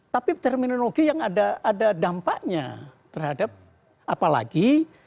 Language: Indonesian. tapi terminologi yang ada dampaknya terhadap apalagi